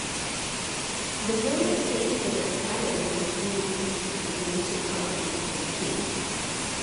The writer says that criers informed the people when to cultivate their fileds.